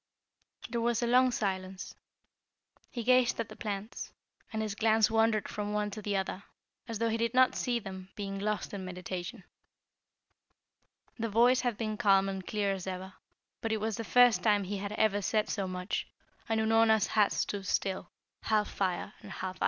There was a long silence. He gazed at the plants, and his glance wandered from one to the other, as though he did not see them, being lost in meditation. The voice had been calm and clear as ever, but it was the first time he had ever said so much, and Unorna's heart stood still, half fire and half ice.